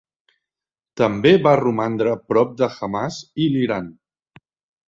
També va romandre prop de Hamas i l'Iran.